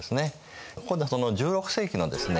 ここでその１６世紀のですね